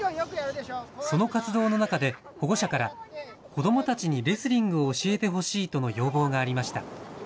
その活動の中で保護者から子どもたちにレスリングを教えてほしいとの要望がありました。